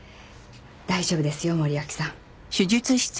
大丈夫ですよ森脇さん。